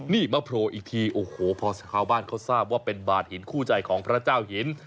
นี่มาโผล่อีกทีโอ้โหพอชาวบ้านเขาทราบว่าเป็นบาดหินคู่ใจของพระเจ้าหิน